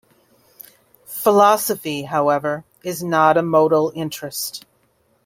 Philosophy, however, is not a modal interest.